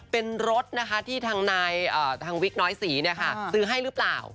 เป็นรถนะคะที่ทางนายทางวิกน้อยศรีซื้อให้หรือเปล่า